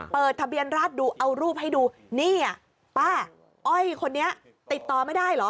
เปิดทะเบียนราชดูเอารูปให้ดูนี่ป้าอ้อยคนนี้ติดต่อไม่ได้เหรอ